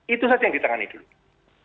itu saja yang ditangani dulu